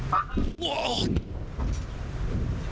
うわっ！